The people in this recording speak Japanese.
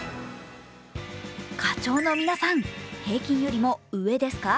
課長の皆さん、平均よりも上ですか？